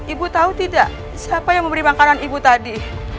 ibu tahu tidak siapa yang memberi makanan ibu tadi